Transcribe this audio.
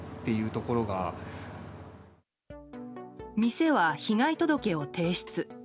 店は被害届を提出。